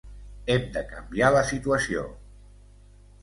Hem de canviar la situació.